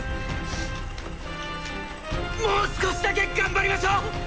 もう少しだけ頑張りましょう！！